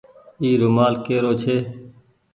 اي رومآل ڪي رو ڇي۔